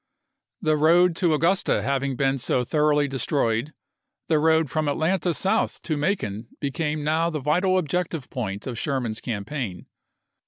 The road to Augusta having been thoroughly juiy, 1864, destroyed, the road from Atlanta south to Macon became now the vital objective point of Sherman's campaign.